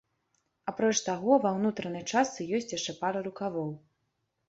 Апроч таго, ва ўнутранай частцы ёсць яшчэ пара рукавоў.